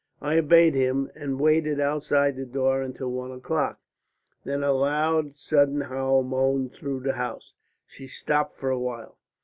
I obeyed him and waited outside the door until one o'clock. Then a loud sudden howl moaned through the house." She stopped for a while.